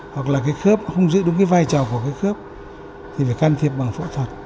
hoặc là cái khớp không giữ đúng cái vai trò của cái khớp thì phải can thiệp bằng phẫu thuật